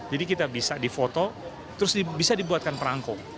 jadi kita bisa difoto terus bisa dibuatkan perangko